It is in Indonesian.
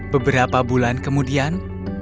beberapa bulan kemudian